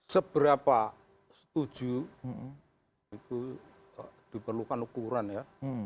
seberapa setuju itu diperlukan ukuran ya